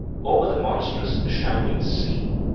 Over the monstrous shambling sea.